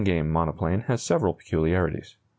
] The Burlingame monoplane has several peculiarities.